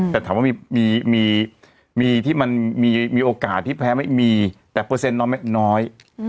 แต่ถามว่ามีที่มันมีโอกาสที่แพ้ไม่มีแต่เปอร์เซ็นต์น้อย